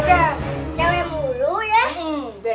tangan semua sini